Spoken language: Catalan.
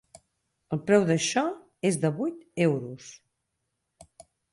El preu d'això és de vuit euros.